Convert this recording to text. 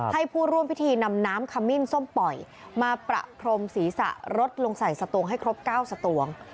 ให้ผู้ร่วมพิธีนำน้ำขมิ้นส้มปล่อยมาประพรมศีรษะรถลงใส่สตวงให้ครบ๙สตวง